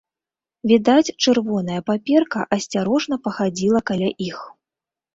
Відаць, чырвоная паперка асцярожна пахадзіла каля іх.